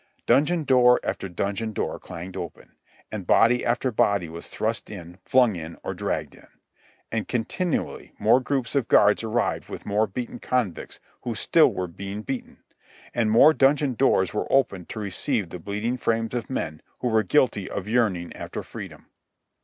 Dungeon door after dungeon door clanged open, and body after body was thrust in, flung in, or dragged in. And continually more groups of guards arrived with more beaten convicts who still were being beaten, and more dungeon doors were opened to receive the bleeding frames of men who were guilty of yearning after freedom.